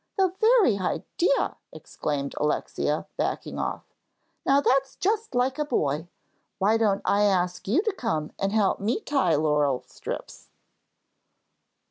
"The very idea!" exclaimed Alexia, backing off. "Now that's just like a boy. Why don't I ask you to come and help me tie laurel strips?"